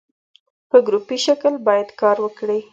په ګروپي شکل باید کار وکړي.